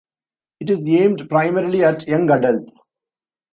It is aimed primarily at young adults.